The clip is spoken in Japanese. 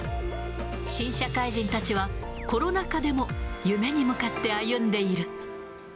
新社会人たちは、コロナ禍でも夢に向かって歩んでいる。